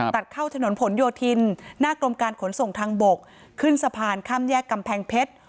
ตัดเข้าถนนผลโยธินหน้ากรมการขนส่งทางบกขึ้นสะพานข้ามแยกกำแพงเพชร